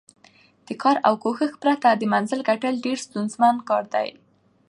د کار او کوښښ پرته د منزل ګټل ډېر ستونزمن کار دی.